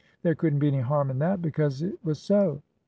There could n't be any harm in that because it was so.